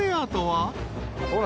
ほら。